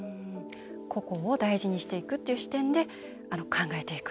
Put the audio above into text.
個々を大事にしていくという視点で考えていく。